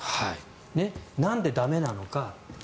なんで駄目なのか。